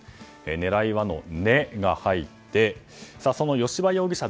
狙いはの「ネ」が入ってその吉羽容疑者